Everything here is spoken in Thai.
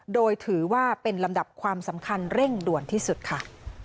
โดยถือว่าเป็นลำดับความสำคัญเร่งด่วนที่สุดค่ะ